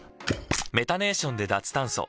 メタネーションで脱炭素。